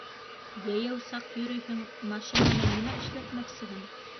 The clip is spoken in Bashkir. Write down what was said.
Йәйәү саҡ йөрөйһөң, машинаны нимә эшләтмәксеһең?